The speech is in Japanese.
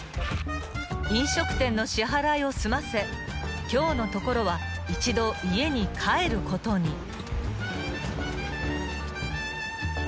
［飲食店の支払いを済ませ今日のところは一度家に帰ることに］